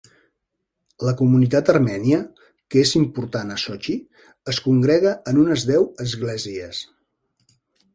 La comunitat armènia, que és important a Sochi, es congrega en unes deu esglésies.